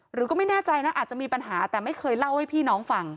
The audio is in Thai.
หรือก็ไม่แน่ใจนะอาจจะมีปัญหาแต่ไม่เคยเล่าให้พี่น้องฟัง